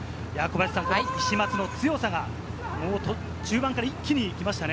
石松の強さが中盤から一気にきましたね。